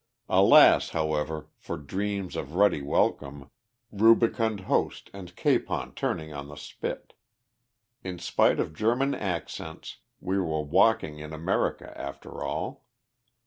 Alas! however, for dreams of ruddy welcome rubicund host, and capon turning on the spit. In spite of German accents, we were walking in America, after all.